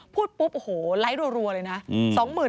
พูดปุ๊บโอ้โหไลค์รัวเลยนะ